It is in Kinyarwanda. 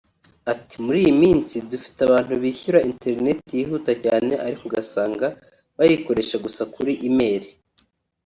Ati "Muri iyi minsi dufite abantu bishyura Internet yihuta cyane ariko ugasanga bayikoresha gusa kuri Email